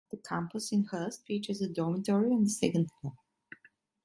The campus in Hearst features a dormitory on the second floor.